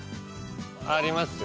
ありますよ。